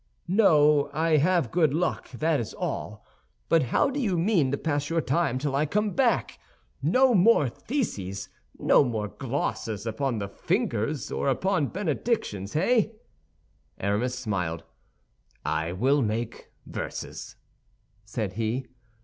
"No, I have good luck, that is all. But how do you mean to pass your time till I come back? No more theses, no more glosses upon the fingers or upon benedictions, hey?" Aramis smiled. "I will make verses," said he.